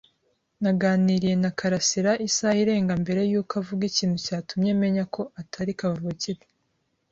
Naganiriye na karasira isaha irenga mbere yuko avuga ikintu cyatumye menya ko atari kavukire.